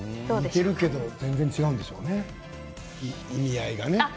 似てるけど全然違うんでしょうね、意味合いは。